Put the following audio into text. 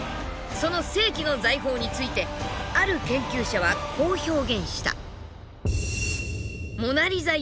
その世紀の財宝についてある研究者はこう表現した。